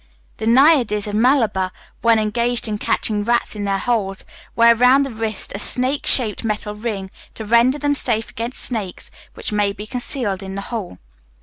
The Nayadis of Malabar, when engaged in catching rats in their holes, wear round the wrist a snake shaped metal ring, to render them safe against snakes which may be concealed in the hole.